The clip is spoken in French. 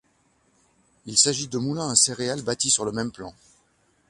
Il s’agit de moulins à céréales bâtis sur le même plan.